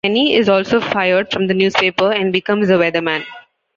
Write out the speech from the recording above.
Kenny is also fired from the newspaper and becomes a weatherman.